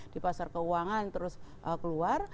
di pasar keuangan terus keluar